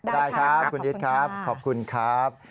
ได้ครับคุณอิตครับขอบคุณครับ